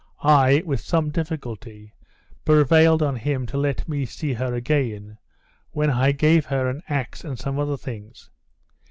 I, with some difficulty, prevailed on him to let me see her again, when I gave her an axe and some other things.